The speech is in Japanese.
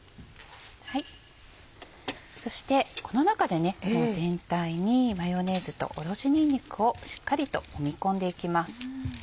そしてこの中で全体にマヨネーズとおろしにんにくをしっかりともみ込んでいきます。